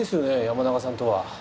山中さんとは。